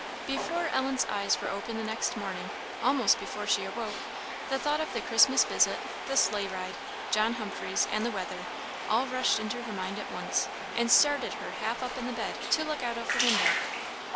Before Ellen's eyes were open the next morning almost before she awoke the thought of the Christmas visit, the sleigh ride, John Humphreys, and the weather, all rushed into her mind at once, and started her half up in the bed to look out of the window.